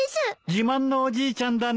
自慢のおじいちゃんだね。